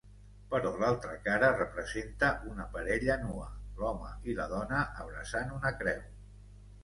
Però l'altra cara representa una parella nua, l'home i la dona abraçant una creu.